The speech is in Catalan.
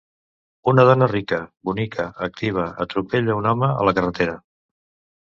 Una dona rica, bonica, activa, atropella un home a la carretera.